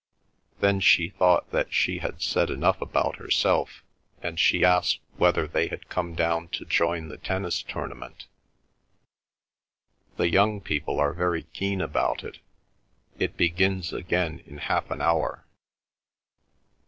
Then she thought that she had said enough about herself, and she asked whether they had come down to join the tennis tournament. "The young people are very keen about it. It begins again in half an hour."